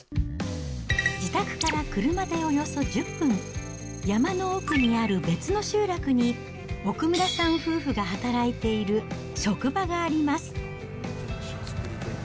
自宅から車でおよそ１０分、山の奥にある別の集落に、屋村さん夫婦が働いている職場があります。